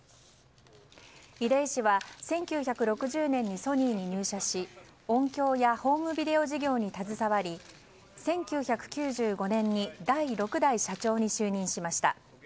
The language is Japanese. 出井氏は１９６０年にソニーに入社し音響やホームビデオ事業に携わり１９９５年に第６代社長に就任しました。